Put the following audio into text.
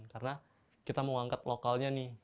karena kita mau angkat lokalnya nih